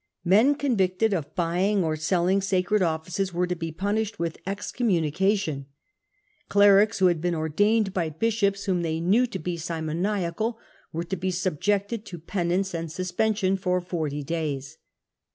Men Sementn. convicted of buying or selling sacred offices were to be punished with excommunication; clerics who had been ordained by bishops whom they knew to be simoniacal, were to be subjected to penance and sus pension for forty days.